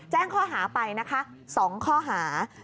แจ้งข้อหาไปนะคะ๒ข้อหา